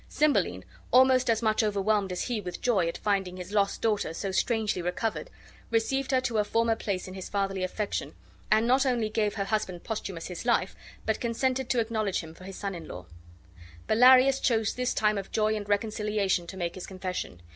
Cymbeline, almost as much overwhelmed as he with joy, at finding his lost daughter so strangely recovered, received her to her former place in his fatherly affection, and not only gave her husband Posthumus his life, but consented to acknowledge him for his son in law. Bellarius chose this time of joy and reconciliation to make his confession.